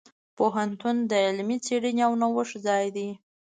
پوهنتون د علمي څیړنې او نوښت ځای دی.